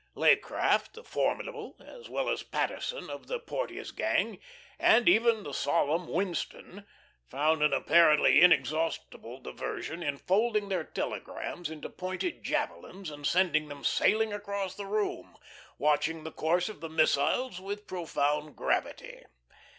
Leaycraft, the formidable, as well as Paterson of the Porteous gang, and even the solemn Winston, found an apparently inexhaustible diversion in folding their telegrams into pointed javelins and sending them sailing across the room, watching the course of the missiles with profound gravity.